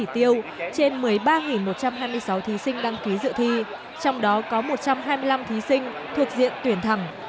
trên một mươi ba một trăm hai mươi sáu thí sinh đăng ký dự thi trong đó có một trăm hai mươi năm thí sinh thuộc diện tuyển thẳng